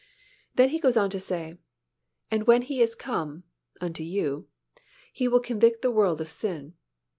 Then He goes on to say, "And when He is come (unto you), He will convict the world of sin."